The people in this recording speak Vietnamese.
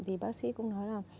thì bác sĩ cũng nói là